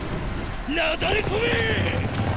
なだれ込めェェ！